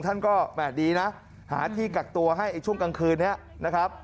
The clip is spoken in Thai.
ท่านก็แหม่ดีนะหาที่กักตัวให้ช่วงกลางคืนนี้นะครับ